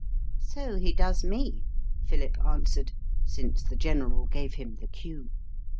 "So he does me," Philip answered, since the General gave him the cue.